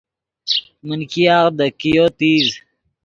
من ګیاغ دے کئیو تیز